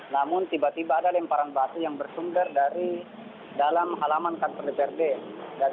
namun tiba tiba ada lemparan batu yang bersumber dari dalam halaman kantor dprd